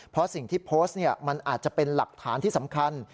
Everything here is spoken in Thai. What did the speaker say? เพราะสิ่งที่โพสต์มันอาจจะเป็นหลักฐานที่สำคัญ